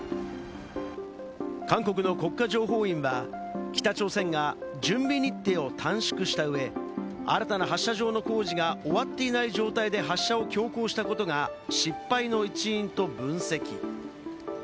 韓国の国家情報院は北朝鮮が準備日程を短縮した上、新たな発射場の工事が終わっていない状態で発射を強行したことが失敗の一因と分析。